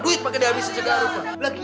duit pakai dihabiskan sejarah rumah